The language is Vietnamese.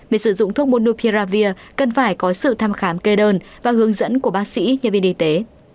về sử dụng thuốc modulavir cần phải có sự thăm khám kê đơn và hướng dẫn của bác sĩ như viên y tế